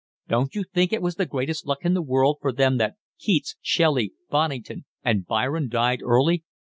Don't you think it was the greatest luck in the world for them that Keats, Shelley, Bonnington, and Byron died early?